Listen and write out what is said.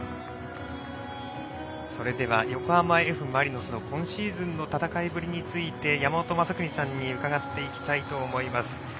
それでは横浜Ｆ・マリノスの今シーズンの戦いぶりについて山本昌邦さんに伺っていきたいと思います。